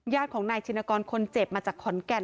ของนายชินกรคนเจ็บมาจากขอนแก่น